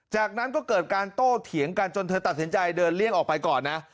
จากนั้นก็เกิดการโต้เถียงกันจนเธอตัดสินใจเดินเลี่ยงออกไปก่อนนะ